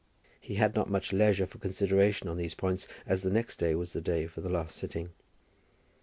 He had not much leisure for consideration on these points, as the next day was the day for the last sitting.